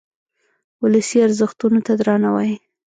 ولسي ارزښتونو ته درناوی.